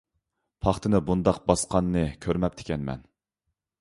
پاختىنى بۇنداق باسقاننى كۆرمەپتىكەنمەن.